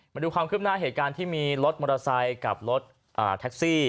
มาดูความคืบหน้าเหตุการณ์ที่มีรถมอเตอร์ไซค์กับรถแท็กซี่